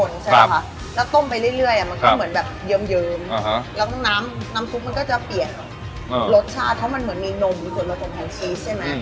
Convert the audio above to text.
แล้วน้ำซุปมันก็จะเปลี่ยนรสชาติเพราะมันเหมือนมีนมส่วนผสมของชีสใช่ไหม